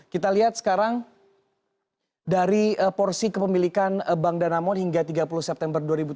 kita lihat sekarang dari porsi kepemilikan bank danamon hingga tiga puluh september dua ribu tujuh belas